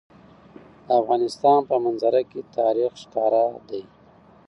د افغانستان په منظره کې تاریخ ښکاره ده.